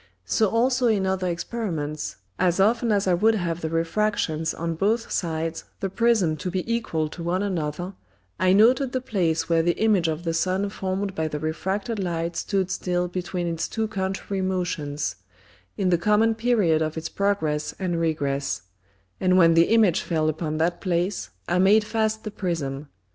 [C] So also in other Experiments, as often as I would have the Refractions on both sides the Prism to be equal to one another, I noted the Place where the Image of the Sun formed by the refracted Light stood still between its two contrary Motions, in the common Period of its Progress and Regress; and when the Image fell upon that Place, I made fast the Prism.